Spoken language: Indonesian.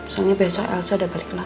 soalnya besok elsa udah balik ke la paz